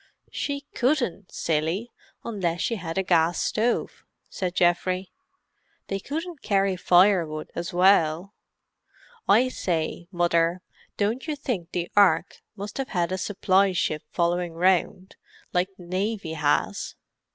"She couldn't, silly, unless she had a gas stove," said Geoffrey. "They couldn't carry firewood as well. I say, Mother, don't you think the Ark must have had a supply ship following round, like the Navy has?"